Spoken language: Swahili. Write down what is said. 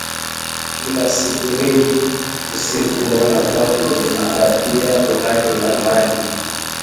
Kila siku mimi husifu Mola kwa kunipatia uhai na mali